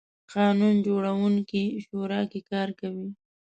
قانون جوړوونکې شورا کې کار کوي.